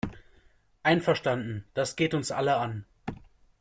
Einverstanden, das geht uns alle an.